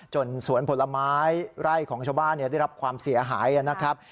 สวนผลไม้ไร่ของชาวบ้านได้รับความเสียหายนะครับ